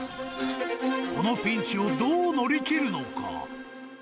このピンチをどう乗り切るのか。